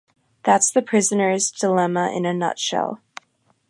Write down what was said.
That's the Prisoner's Dilemma in a nutshell.